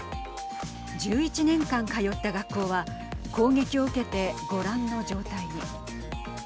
１１年間通った学校は攻撃を受けて、ご覧の状態に。